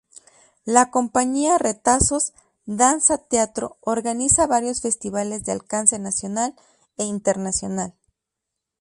La compañía Retazos Danza Teatro organiza varios festivales de alcance nacional e internacional.